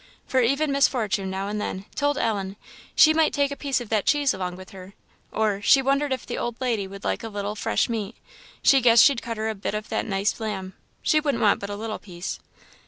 For even Miss Fortune now and then told Ellen "she might take a piece of that cheese along with her;" or, "she wondered if the old lady would like a little fresh meat; she guessed she'd cut her a bit of that nice lamb; she wouldn't want but a little piece."